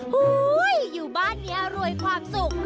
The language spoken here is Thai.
ฮู้ยอยู่บ้านนี้อร่วยความสุข